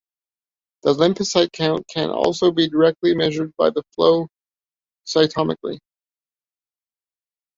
The lymphocyte count can also be directly measured by flow cytometry.